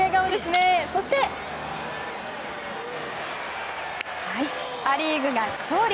そしてア・リーグが勝利。